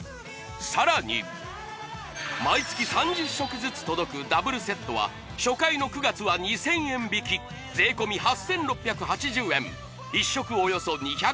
さらに毎月３０食ずつ届くダブルセットは初回の９月は２０００円引き税込８６８０円１食